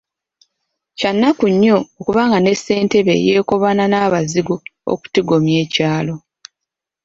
Kya nnaku nnyo okuba nga ne ssentebe yeekobaana n’abazigu okutigomya ekyalo.